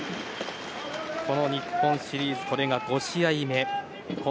日本シリーズこれが５試合目。